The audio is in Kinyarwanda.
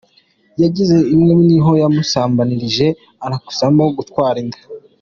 Yageze iwe ni ho yamusambanirije anakurizamo gutwara inda.